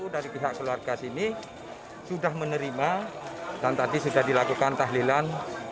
dari pihak keluarga sini sudah menerima dan tadi sudah dilakukan tahlilan